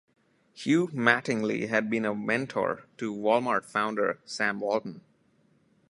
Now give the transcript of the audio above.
Hugh Mattingly had been a mentor to Wal-Mart founder, Sam Walton.